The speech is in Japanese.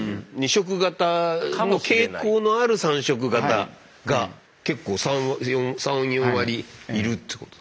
２色型の傾向のある３色型が結構３４３４割いるってこと。